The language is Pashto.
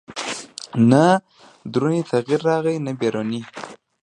نه دروني تغییر راغی نه بیروني